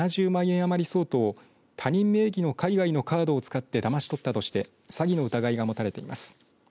余り相当を他人名義の海外のカードを使ってだまし取ったとして詐欺の疑いが持たれています。